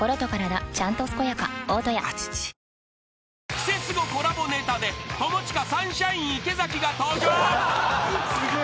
［クセスゴコラボネタで友近サンシャイン池崎が登場］